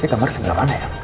kamarnya sebelah mana ya